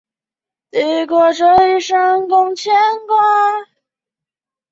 乾隆五十一年八月调升四川成都县知县。